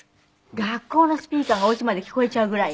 学校のスピーカーがお家まで聞こえちゃうぐらい。